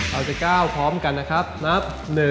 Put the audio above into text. เราจะก้าวพร้อมกันนะครับนับ